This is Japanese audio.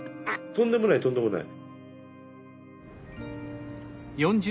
とんでもないとんでもない。